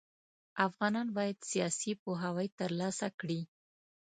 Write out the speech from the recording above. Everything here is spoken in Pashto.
افغانان بايد سياسي پوهاوی ترلاسه کړي.